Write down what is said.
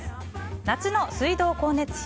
夏の水道光熱費